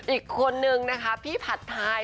อีกคนนึงนะคะพี่ผัดไทย